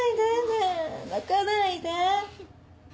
ねえ泣かないで。